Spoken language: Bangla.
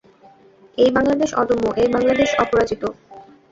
এই বাংলাদেশ অদম্য, এই বাংলাদেশ অপরাজিত ।